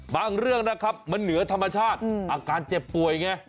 เรื่องนะครับมันเหนือธรรมชาติอาการเจ็บป่วยไง